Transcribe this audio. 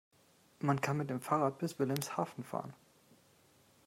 Man kann mit dem Fahrrad bis Wilhelmshaven fahren